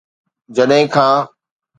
جڏهن کان